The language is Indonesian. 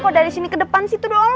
kok dari sini ke depan sih itu doang